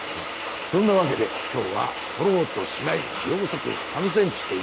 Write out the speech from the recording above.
そんなわけで今日は「そろうとしない」「秒速３センチ」ということで。